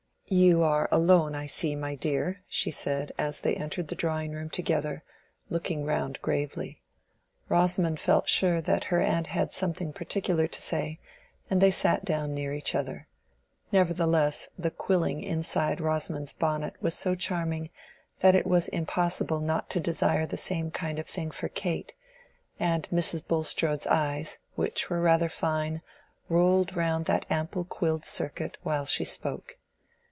"You are alone, I see, my dear," she said, as they entered the drawing room together, looking round gravely. Rosamond felt sure that her aunt had something particular to say, and they sat down near each other. Nevertheless, the quilling inside Rosamond's bonnet was so charming that it was impossible not to desire the same kind of thing for Kate, and Mrs. Bulstrode's eyes, which were rather fine, rolled round that ample quilled circuit, while she spoke.